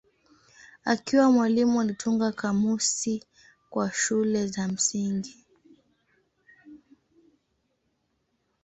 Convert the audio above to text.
Akiwa mwalimu alitunga kamusi kwa shule za msingi.